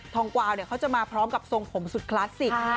งกวาวเขาจะมาพร้อมกับทรงผมสุดคลาสสิก